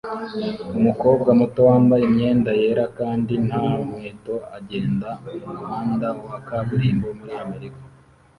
Umukobwa muto wambaye imyenda yera kandi nta nkweto agenda mumuhanda wa kaburimbo muri Amerika